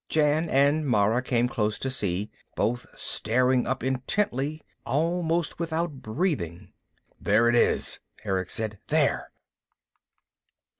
Jan and Mara came close to see, both staring up intently, almost without breathing. "There it is," Erick said. "There!"